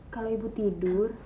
kalau ibu tidur